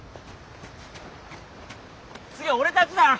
次俺たちだよ！